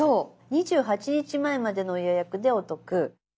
「２８日前までの予約でお得」。